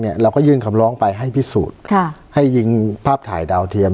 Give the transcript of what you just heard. เราก็ยื่นคำร้องไปให้พิสูจน์ให้ยิงภาพถ่ายดาวเทียม